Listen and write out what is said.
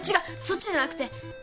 そっちじゃなくて。